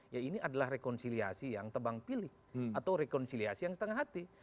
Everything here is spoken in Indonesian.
ya ini adalah rekonsiliasi yang tebang pilih atau rekonsiliasi yang setengah hati